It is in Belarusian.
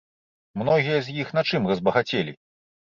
Многія з іх на чым разбагацелі?